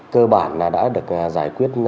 cơ bản đã được giải quyết